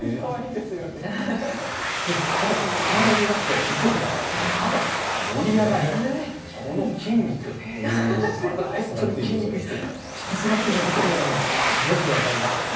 でも体を見るとこの肩の盛り上がりこの筋肉、本当に筋肉質引き締まっているのがよく分かります。